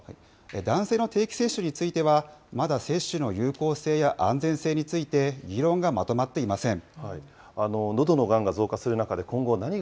男性の定期接種については、まだ接種の有効性や安全性について議論がまとまっていません。